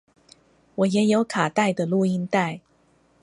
我也有卡帶的錄音帶